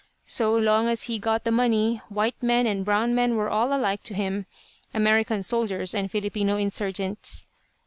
So long as he got the money, white men and brown men were all alike to him, American soldiers and Filipino insurgents.